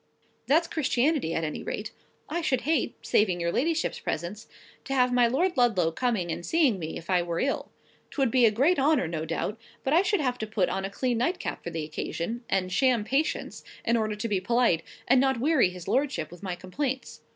That's Christianity, at any rate. I should hate—saving your ladyship's presence—to have my Lord Ludlow coming and seeing me, if I were ill. 'Twould be a great honour, no doubt; but I should have to put on a clean nightcap for the occasion; and sham patience, in order to be polite, and not weary his lordship with my complaints.